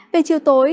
về chiều tối